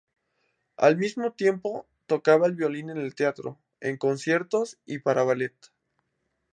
Al mismo tiempo, tocaba el violín en el teatro, en conciertos, y para ballet.